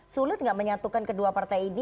sulit nggak menyatukan kedua partai ini